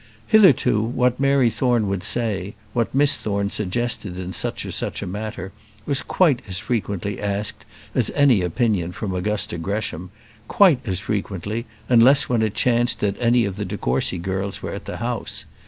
Hitherto, what Mary Thorne would say, what Miss Thorne suggested in such or such a matter, was quite as frequently asked as any opinion from Augusta Gresham quite as frequently, unless when it chanced that any of the de Courcy girls were at the house.